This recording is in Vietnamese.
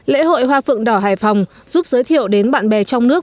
lễ hội hoa phượng đỏ hải phòng giúp giới thiệu đến bạn bè trong nước